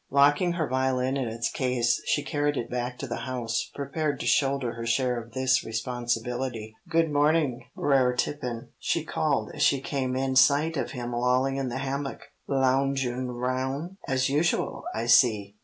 Locking her violin in its case, she carried it back to the house, prepared to shoulder her share of this responsibility. "Good morning, Brer Tarrypin," she called as she came in sight of him lolling in the hammock. "Lounjoun' roun' as usual, I see.